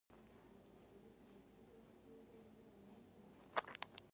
له نخامیې، هایپوتلاموس، تایرایډ او ادرینال غدو سره آشنا شئ.